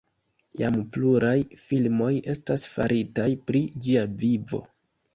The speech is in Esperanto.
Jam pluraj filmoj estas faritaj pri ĝia vivo.